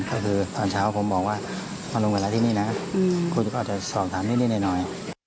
ก็คือตอนเช้าผมบอกว่ามาลงเวลาที่นี่นะคุณก็อาจจะสอบถามนิดหน่อย